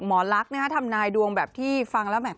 หมอลักษณ์ทำนายดวงแบบที่ฟังแล้วแบบ